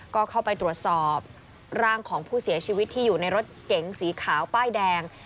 ก็เข้าไปตรวจสอบร่างของผู้เสียชีวิตที่อยู่ในรถเก๋งสีขาวป้ายแดง